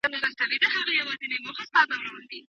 چي ته کولای سې، مرکه انتخاب کړي.